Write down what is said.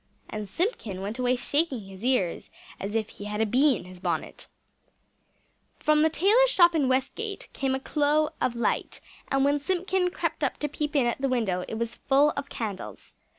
and Simpkin went away shaking his ears as if he had a bee in his bonnet. From the tailor's shop in Westgate came a glow of light; and when Simpkin crept up to peep in at the window it was full of candles.